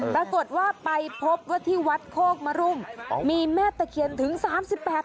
ถ้าเกิดว่าไปพบว่าที่วัดโคกมารุมมีแม่ตะเคียนถึง๓๘ต้น